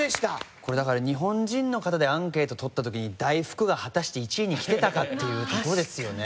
これだから日本人の方でアンケートとった時に大福が果たして１位にきてたかっていうところですよね。